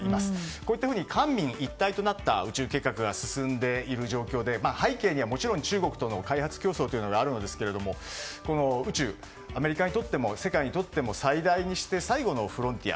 こういった官民一体となった宇宙計画が進んでいる状況で背景にはもちろん中国との開発競争があるんですが宇宙、アメリカにとっても世界にとっても最大にして最後のフロンティア